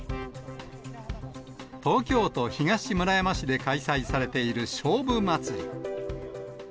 東京都東村山市で開催されている菖蒲まつり。